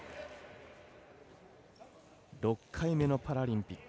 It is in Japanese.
６回目のパラリンピック